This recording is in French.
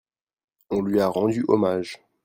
On lui a rendu hommage.